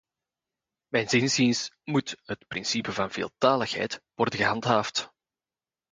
Mijns inziens moet het principe van veeltaligheid worden gehandhaafd.